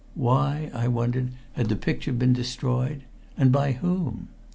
Why, I wondered, had the picture been destroyed and by whom?